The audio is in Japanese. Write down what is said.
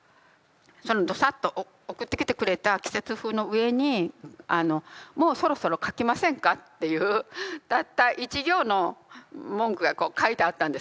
そのドサッと送ってきてくれた「季節風」の上に「もうそろそろ書きませんか」っていうたった１行の文句がこう書いてあったんですよ。